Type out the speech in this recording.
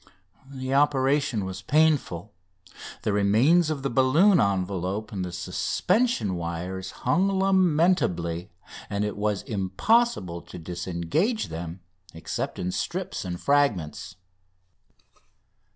The operation was painful. The remains of the balloon envelope and the suspension wires hung lamentably, and it was impossible to disengage them except in strips and fragments!